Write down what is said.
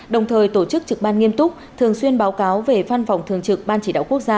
đồng thời tổ chức trực ban nghiêm túc thường xuyên báo cáo về văn phòng thường trực ban chỉ đạo quốc gia